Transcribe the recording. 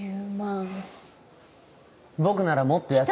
僕ならもっと安く。